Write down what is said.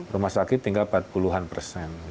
rumah sakit tinggal empat puluh an persen